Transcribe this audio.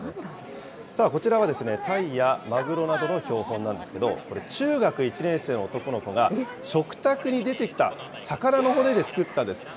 こちらは、タイやマグロなどの標本なんですけど、これ、中学１年生の男の子が、食卓に出てきた魚の骨で作ったんです。